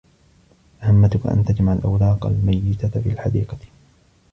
مهمتك أن تجمع الأوراق الميتة في الحديقة.